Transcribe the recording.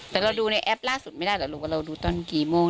แต่เราดูในแอปล่าสุดไม่ได้ถึงตอนกี่โมง